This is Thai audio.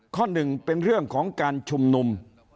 ข้อหนึ่งเป็นเรื่องของการชุมนุม